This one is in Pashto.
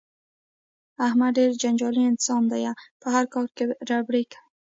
احمد ډېر جنجالي انسان دی په هر کار کې ربړې کوي.